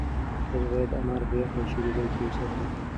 تاسو باید انار په یخ او سیوري ځای کې وساتئ.